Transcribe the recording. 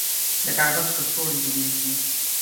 د کاغذ کڅوړې جوړیږي؟